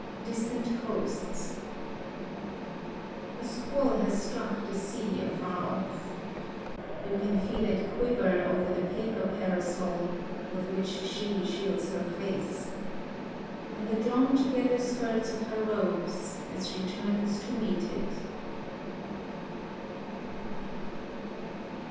Distant Coasts A squall has struck the sea afar off. You can feel it quiver Over the paper parasol With which she shields her face; In the drawn together skirts of her robes, As she turns to meet it.